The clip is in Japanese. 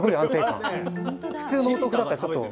普通のお豆腐だったらちょっと。